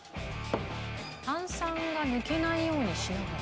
炭酸が抜けないようにしながら。